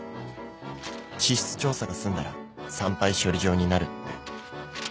地質調査が済んだら産廃処理場になるって。